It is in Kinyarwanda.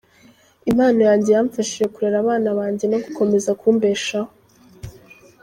Impano yanjye yamfashije kurera abana banjye no gukomeza kumbeshaho.